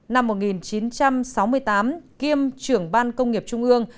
năm một nghìn chín trăm sáu mươi tám kiêm trưởng ban công nghiệp trung ương